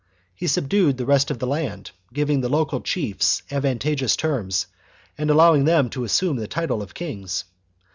He subdued the rest of the land, giving the local chiefs advan tageous terms and allowing them to assume the title of kings.